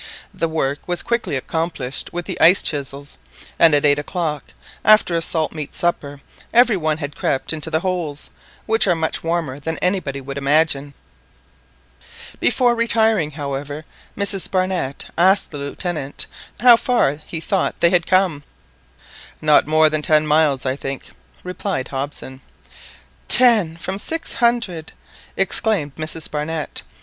The work was quickly accomplished with the ice chisels, and at eight o'clock, after a salt meat supper, every one had crept into the holes, which are much warmer than anybody would imagine. Before retiring, however, Mrs. Barnett asked the Lieutenant how far he thought they had come. "Not more than ten miles, I think," replied Hobson. "Ten from six hundred!" exclaimed Mrs Barnett.